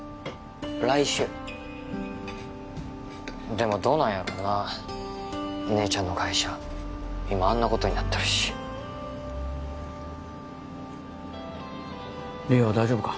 来週でもどうなんやろうな姉ちゃんの会社今あんなことになっとるし梨央は大丈夫か？